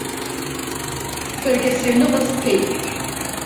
Саргьы сыҩныҟа сцеит.